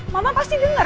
mama pasti denger